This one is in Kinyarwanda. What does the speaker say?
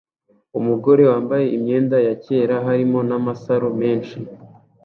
Umugore wambaye imyenda ya kera harimo n'amasaro menshi